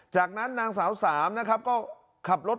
จากนั้นนางสาวสามนะครับก็ขับรถ